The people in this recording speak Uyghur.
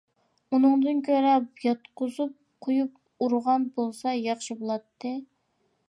ئۇنىڭدىن كۆرە ياتقۇزۇپ قۇيۇپ ئۇرغان بولسا ياخشى بولاتتى.